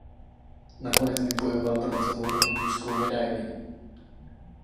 Nakonec vybojoval bronzovou olympijskou medaili.